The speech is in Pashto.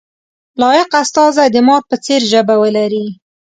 لایق استازی د مار په څېر ژبه ولري.